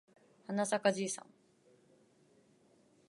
はなさかじいさん